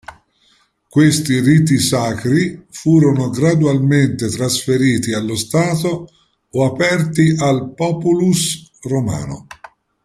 Questi riti sacri furono gradualmente trasferiti allo Stato o aperti al "populus" romano.